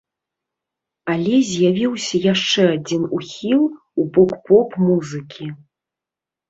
Але з'явіўся яшчэ адзін ухіл у бок поп-музыкі.